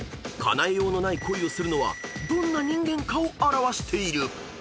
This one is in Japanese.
［かなえようのない恋をするのはどんな人間かを表している］